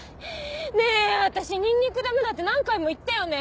ねえ私ニンニクダメだって何回も言ったよね！？